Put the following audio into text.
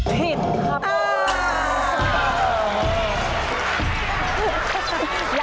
ผิดครับ